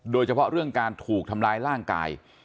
โดยเฉพาะเรื่องการถูกทำร้ายร่างกาย